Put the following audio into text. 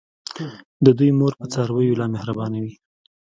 د دوی مور په څارویو لا مهربانه وي.